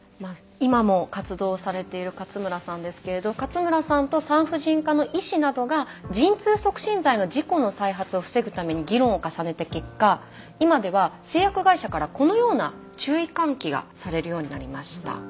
今も活動されている勝村さんですけれど勝村さんと産婦人科の医師などが陣痛促進剤の事故の再発を防ぐために議論を重ねた結果今では製薬会社からこのような注意喚起がされるようになりました。